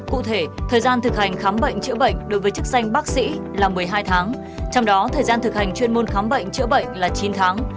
cụ thể thời gian thực hành khám bệnh chữa bệnh đối với chức danh bác sĩ là một mươi hai tháng trong đó thời gian thực hành chuyên môn khám bệnh chữa bệnh là chín tháng